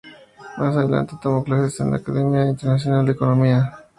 Más adelante tomó clases en la Academia Internacional de Economía de la misma ciudad.